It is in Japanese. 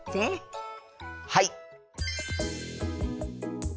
はい！